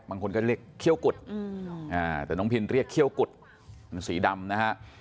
บางคนก็เรียกเขี้ยวกุดแต่น้องพินเรียกเขี้ยวกุดมันสีดำนะฮะ